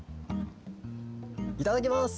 いただきます！